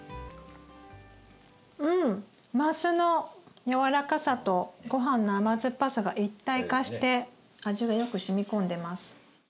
うんマスのやわらかさとごはんの甘酸っぱさが一体化して味がよくしみ込んでます。